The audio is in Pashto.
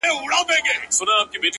محبت يې د اوبو په اهتزاز دی’